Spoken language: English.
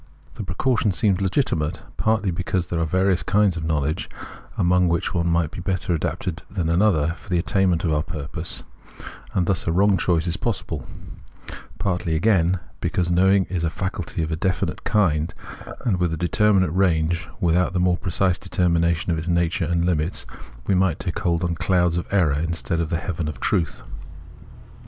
The precaution seems legitimate, partly because there are various kinds of knowledge, among which one might be better adapted than another for the attainment of our purpose, — and thus a wrong choice is possible : partly, again, because knowing is a faculty of a definite kind and with a determinate range, without the more precise deter mination of its nature and limits we might take hold on clouds of error instead of the heaven of truth.